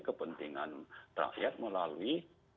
kepentingan rakyat melalui